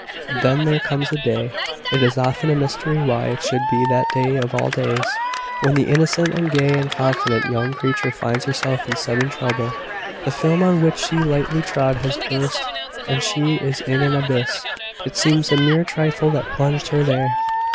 Then there comes a day it is often a mystery why it should be that day of all days when the innocent, and gay, and confident young creature finds herself in sudden trouble. The film on which she lightly trod has burst and she is in an abyss. It seems a mere trifle that plunged her there.